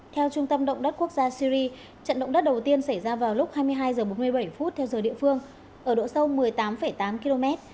theo trung tâm động đất quốc gia syri trận động đất đầu tiên xảy ra vào lúc hai mươi hai h bốn mươi bảy phút theo giờ địa phương ở độ sâu một mươi tám tám km